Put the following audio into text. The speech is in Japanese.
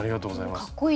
かっこいいです。